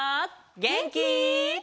げんき？